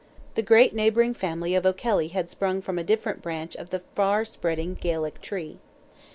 The great neighbouring family of O'Kelly had sprung from a different branch of the far spreading Gaelic tree.